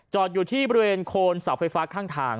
อยู่ที่บริเวณโคนเสาไฟฟ้าข้างทาง